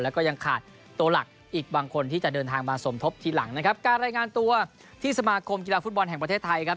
แล้วก็ยังขาดตัวหลักอีกบางคนที่จะเดินทางมาสมทบทีหลังนะครับการรายงานตัวที่สมาคมกีฬาฟุตบอลแห่งประเทศไทยครับ